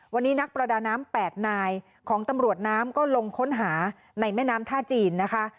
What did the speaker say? วันนี้นักประดาน้ำ๘นายของตำรวจน้ำก็ลงค้นหาในแม่น้ำท่าจีนนะคะ